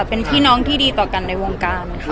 เป็นพี่น้องที่ดีต่อกันในวงการค่ะ